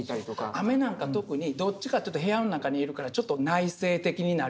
雨なんか特にどっちかというと部屋の中にいるからちょっと内省的になる。